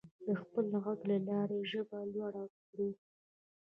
د خپل غږ له لارې ژبه لوړه کړو.